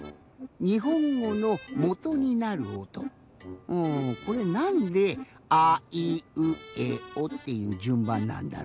にほんごのもとになるおとうんこれなんで「あいうえお」っていうじゅんばんなんだろうね？